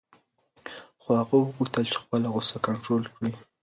خو هغه وغوښتل چې خپله غوسه کنټرول کړي.